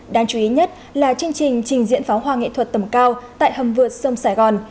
đáng chú ý nhất là chương trình trình diễn pháo hoa nghệ thuật tầm cao tại hầm vượt sông sài gòn